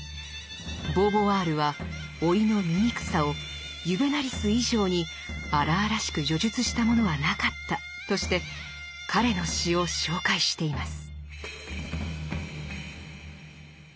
ボーヴォワールは「老いの醜さをユヴェナリス以上に荒々しく叙述した者はなかった」として彼の詩を紹介しています。